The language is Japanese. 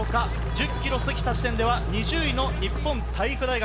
１０ｋｍを過ぎた時点では２０位の日本体育大学。